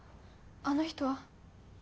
あの人は？